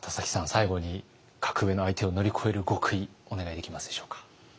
最後に格上の相手を乗り越える極意お願いできますでしょうか。